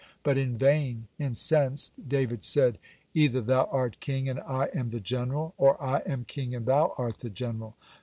But in vain. Incensed, David said: "Either thou art king and I am the general, or I am king and thou art the general."